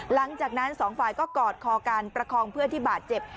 หลังจากนั้นสองฝ่ายก็กอดคอกันประคองเพื่อนที่บาดเจ็บ